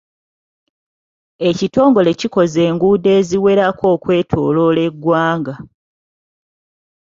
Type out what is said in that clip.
Ekitongole kikoze enguudo eziwerako okwetooloola eggwanga.